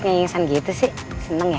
ngingesan gitu sih seneng ya